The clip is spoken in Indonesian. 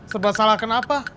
serba salah kenapa